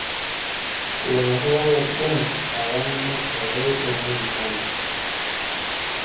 Loohoowo gom tawano e rewɓe mum nayo.